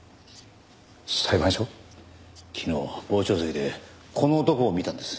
昨日傍聴席でこの男を見たんです。